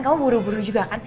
kamu buru buru juga kan